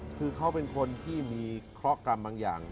คือเขาเป็นคนที่มีเคราะหกรรมบางอย่าง